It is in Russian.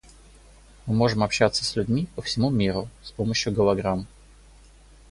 Мы можем общаться с людьми по всему миру с помощью голограмм.